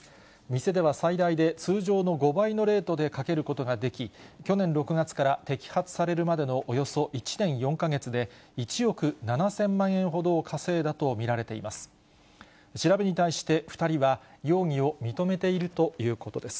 店では最大で通常の５倍のレートで賭けることができ、去年６月から摘発されるまでのおよそ１年４か月で、１億７０００万円ほどを稼いだと見られています。